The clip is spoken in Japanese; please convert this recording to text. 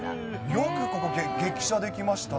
よく激写できましたね。